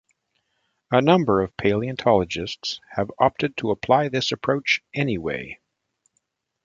A number of paleontologists have opted to apply this approach anyway.